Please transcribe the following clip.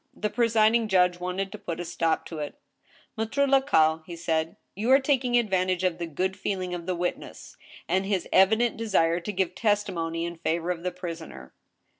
The presiding judge wanted to put a stop to it. " Maitre Lacaille," he said, " you are taking advantage of the good feeling of the witness, and his evident desire to give testimony in favor of the prisoner."